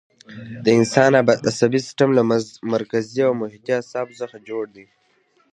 د انسان عصبي سیستم له مرکزي او محیطي اعصابو څخه جوړ دی.